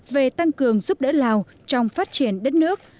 về tăng cường giúp đỡ lào trong phát triển đất nước